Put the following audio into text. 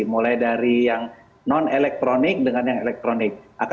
mulai dari yang non elektronik dengan yang elektronik